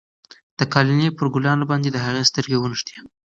د قالینې پر ګلانو باندې د هغې سترګې ونښتې.